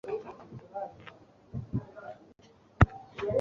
Yesu yifuzaga ko uwo muntu ajya kwiyerekana mu rusengero